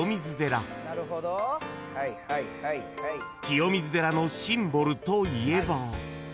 ［清水寺のシンボルといえば］